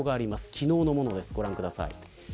昨日のものです、ご覧ください。